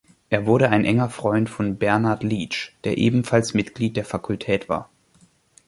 Er wurde ein enger Freund von Bernard Leach, der ebenfalls Mitglied der Fakultät war.